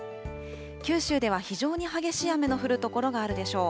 九州では非常に激しい雨の降る所があるでしょう。